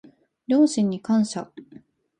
両親に感謝